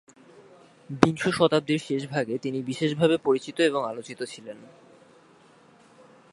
বিংশ শতাব্দীর শেষ ভাগে তিনি বিশেষভাবে পরিচিত এবং আলোচিত ছিলেন।